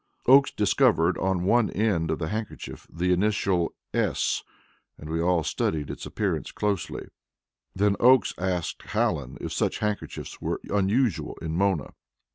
Oakes discovered on one end of the handkerchief the initial "S," and we all studied its appearance closely. Then Oakes asked Hallen if such handkerchiefs were unusual in Mona.